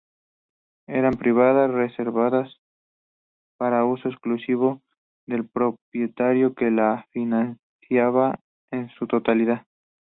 Eran privadas, reservadas para uso exclusivo del propietario que la financiaba en su totalidad.